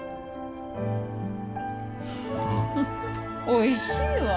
おいしいわ。